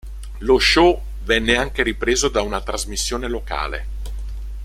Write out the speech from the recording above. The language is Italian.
Lo show venne anche ripreso da una trasmissione locale.